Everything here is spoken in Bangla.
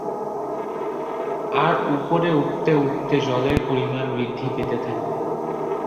আর উপরে উঠতে উঠতে জলের পরিমাণ বৃদ্ধি পেতে থাকে।